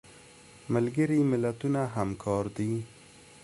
ملګري ملتونه همکار دي